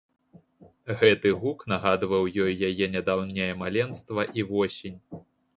Гэты гук нагадваў ёй яе нядаўняе маленства і восень.